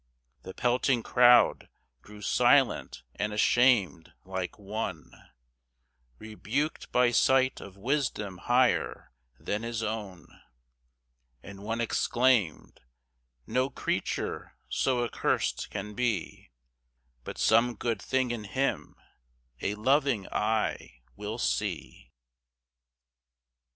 The pelting crowd grew silent and ashamed, like one Rebuked by sight of wisdom higher than his own; And one exclaimed: "No creature so accursed can be But some good thing in him a loving eye will see."